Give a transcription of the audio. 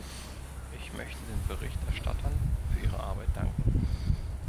Ich möchte den Berichterstattern für ihre Arbeit danken.